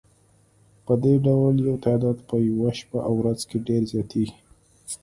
پدې ډول یې تعداد په یوه شپه او ورځ کې ډېر زیاتیږي.